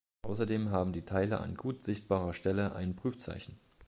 Außerdem haben die Teile an gut sichtbarer Stelle ein Prüfzeichen.